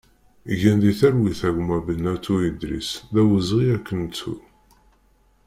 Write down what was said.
Gen di talwit a gma Benatou Idris, d awezɣi ad k-nettu!